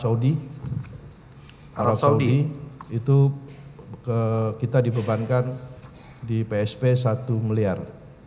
arab saudi arab saudi itu kita dibebankan di psp satu miliar